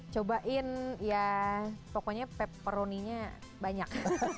cobain ya pokoknya pepperoninya banyak